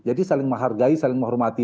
jadi saling menghargai saling menghormati